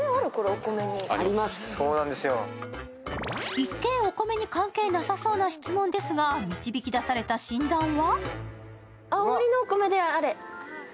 一見、お米に関係なさそうな質問ですが、導き出された診断は？